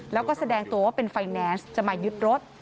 แล้วก็แสดงตัวว่าเป็นไฟแนนซ์จะมายึดรถ